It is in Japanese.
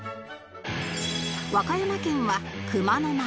和歌山県は熊野米